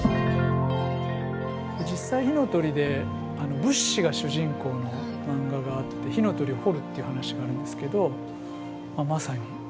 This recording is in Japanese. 実際「火の鳥」で仏師が主人公のマンガがあって火の鳥を彫るっていう話があるんですけどまさにそれが。